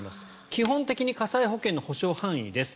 基本的に火災保険の補償範囲です。